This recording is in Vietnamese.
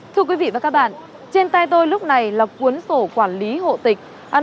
thưa quý vị và các bạn trên tay tôi lúc này là cuốn sổ quản lý hộ tịch